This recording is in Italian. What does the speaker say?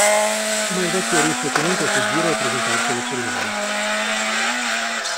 Ma il vecchio riesce comunque a fuggire e a presentarsi alla cerimonia.